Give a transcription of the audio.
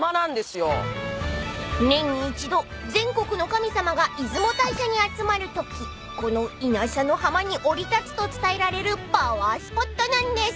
［年に一度全国の神様が出雲大社に集まるときこの稲佐の浜に降り立つと伝えられるパワースポットなんです］